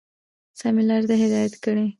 سمي لاري ته هدايت كړي،